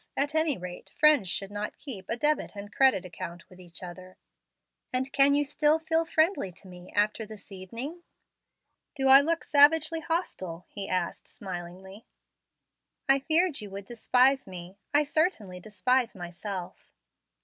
At any rate friends should not keep a debit and credit account with each other." "And can you still feel friendly to me after this evening?" "Do I look savagely hostile?" he asked smilingly. "I feared you would despise me. I certainly despise myself."